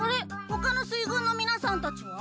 ほかの水軍のみなさんたちは？